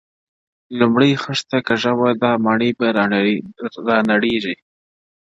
• لومړۍ خښته کږه وه، دا ماڼۍ به را نړېږي -